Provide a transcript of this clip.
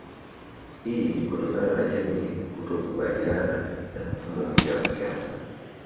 Hii ni kutokana na jamii kutokubaliana na mfumo mpya wa siasa